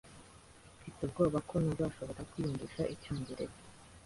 Mfite ubwoba ko ntazashobora kwiyumvisha icyongereza.